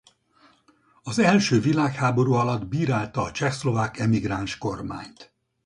Az első világháború alatt bírálta a csehszlovák emigráns kormányt.